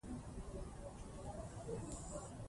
لوستې میندې ماشوم ته روغ ژوند ورزده کوي.